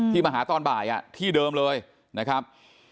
มาหาตอนบ่ายที่เดิมเลยนะครับ